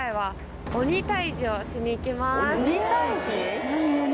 鬼退治。